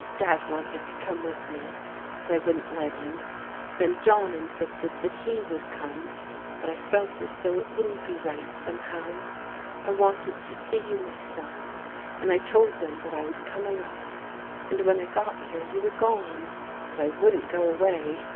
Dad wanted to come with me ; but I wouldn't let him. Then John insisted that he would come ; but I felt as though it wouldn't be right, somehow. I wanted to see you myself, and I told them that I would come alone. And when I got here you were gone. But I wouldn't go away.